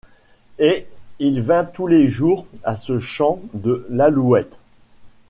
Et il vint tous les jours à ce champ de l’Alouette.